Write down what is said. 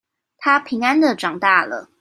她平安的長大了